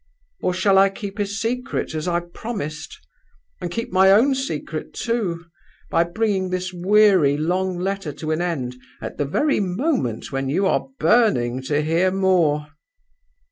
"Or shall I keep his secret as I promised? and keep my own secret too, by bringing this weary, long letter to an end at the very moment when you are burning to hear more!